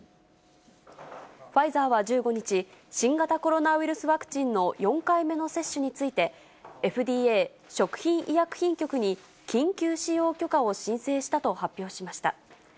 ファイザーは１５日、新型コロナウイルスワクチンの４回目の接種について、ＦＤＡ・食品医薬品局に緊急使用許可を申請したと発表しました。